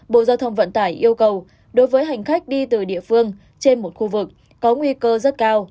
bộ giao thông vận tải yêu cầu đối với hành khách đi từ địa phương trên một khu vực có nguy cơ rất cao